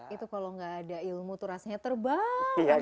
itu kalau gak ada ilmu tuh rasanya terbang